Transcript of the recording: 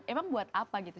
emang buat apa gitu